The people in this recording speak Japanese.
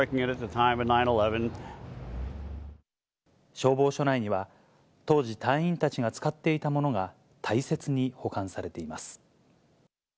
消防署内には、当時、隊員たちが使っていたものが大切に保管されています。